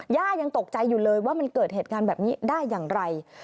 ย่ายังตกใจอยู่เลยว่ามันเกิดเหตุการณ์แบบนี้ได้อย่างไร